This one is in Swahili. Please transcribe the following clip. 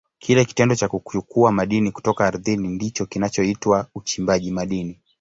Kile kitendo cha kuchukua madini kutoka ardhini ndicho kinachoitwa uchimbaji madini.